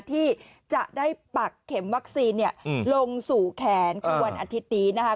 ที่จะได้ปักเข็มวัคซีนลงสู่แขนของวันอาทิตย์นี้นะคะ